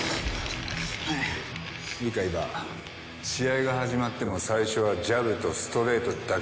試合が始まっても最初はジャブとストレートだけでいい。